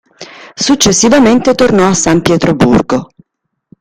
Successivamente tornò a San Pietroburgo.